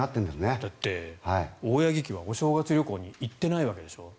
だって、大八木家はお正月旅行に行ってないわけでしょ。